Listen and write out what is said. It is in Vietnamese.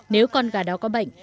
nếu con gà đó có bệnh